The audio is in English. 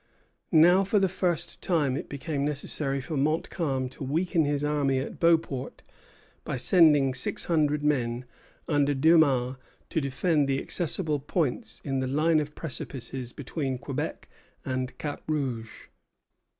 Now, for the first time, it became necessary for Montcalm to weaken his army at Beauport by sending six hundred men, under Dumas, to defend the accessible points in the line of precipices between Quebec and Cap Rouge.